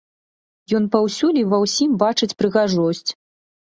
Ён паўсюль і ва ўсім бачыць прыгажосць.